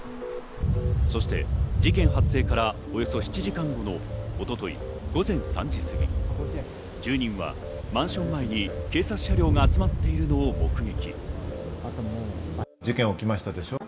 そして事件発生からおよそ７時間後の一昨日３時すぎ、住人はマンション前に警察車両が集まっているのを目撃。